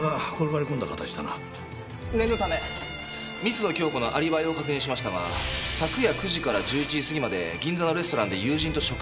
念のため光野響子のアリバイを確認しましたが昨夜９時から１１時過ぎまで銀座のレストランで友人と食事をしていました。